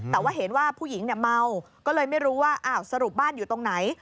แต่ว่าเห็นว่าผู้หญิงเนี่ยเมาก็เลยไม่รู้ว่าสรุปบ้านอยู่ตรงไหน